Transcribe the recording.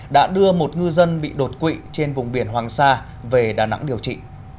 đã đưa một ngư dân bị đột quỵ trên vùng biển hoàng sa về đà nẵng điều trị